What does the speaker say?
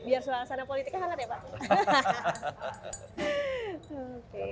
biar suasana politiknya hangat ya pak